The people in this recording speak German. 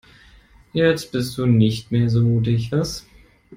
Jetzt bist du nicht mehr so mutig, was?